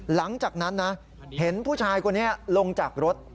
หลังจากนั้นนะเห็นผู้ชายคนนี้ลงจากรถ